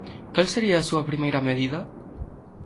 Cal sería a súa primeira medida?